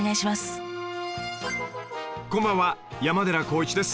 山寺宏一です。